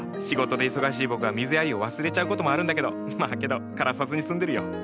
仕事で忙しい僕は水やりを忘れちゃう事もあるんだけどまあけど枯らさずに済んでるよ。